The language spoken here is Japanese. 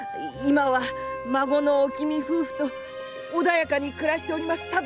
今は孫のおきみ夫婦と穏やかに暮らしております